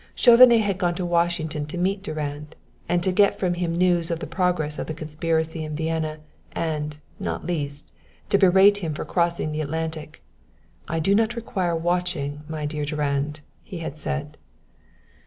Chauvenet had gone to Washington to meet Durand, to get from him news of the progress of the conspiracy in Vienna, and, not least, to berate him for crossing the Atlantic. "I do not require watching, my dear Durand," he had said.